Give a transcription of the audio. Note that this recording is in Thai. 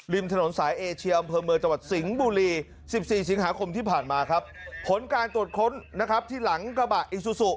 ริมถนนสายเอเชียมอำเภอมือจัวร์สิงห์บุรี๑๔สิงหาคมที่ผ่านมาผลการตรวจค้นที่หลังกระบะอิซูซุ